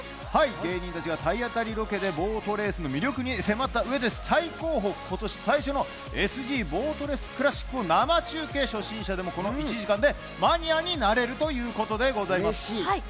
芸人たちが体当たりロケでボートレースの魅力に迫ったあと最高峰、今年最初のＳＧボートレースクラシックを生中継、初心者でもこの１時間でマニアになれるということでございます。